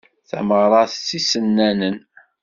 Tamegra s isennanen.